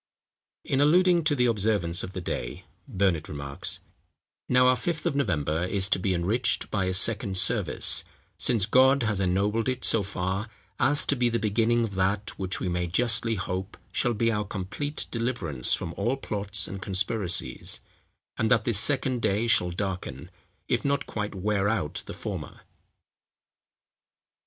In alluding to the observance of the day, Burnet remarks, "Now our Fifth of November is to be enriched by a second service, since God has ennobled it so far, as to be the beginning of that which we may justly hope shall be our complete deliverance from all plots and conspiracies; and that this second day shall darken, if not quite wear out the former."